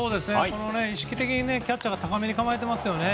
意識的にキャッチャーが高めに構えていますよね。